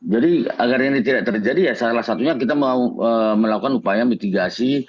jadi agar ini tidak terjadi ya salah satunya kita mau melakukan upaya mitigasi